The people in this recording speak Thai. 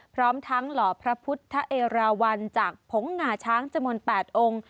พร้อมทั้งหล่อพระพุทธเอราวันจากผงงาช้างจำนวน๘องค์